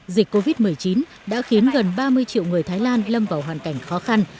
dịch covid một mươi chín đã khiến gần ba mươi triệu người thái lan lâm vào hoàn cảnh khó khăn